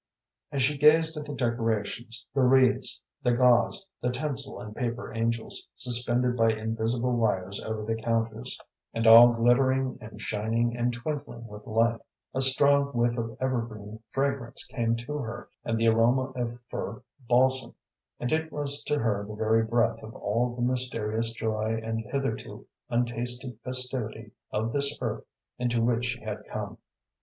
As she gazed at the decorations, the wreaths, the gauze, the tinsel, and paper angels, suspended by invisible wires over the counters, and all glittering and shining and twinkling with light, a strong whiff of evergreen fragrance came to her, and the aroma of fir balsam, and it was to her the very breath of all the mysterious joy and hitherto untasted festivity of this earth into which she had come.